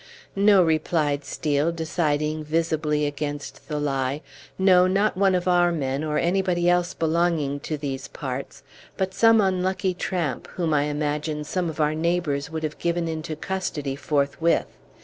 "No," replied Steel, deciding visibly against the lie; "no, not one of our men, or anybody else belonging to these parts; but some unlucky tramp, whom I imagine some of our neighbors would have given into custody forthwith.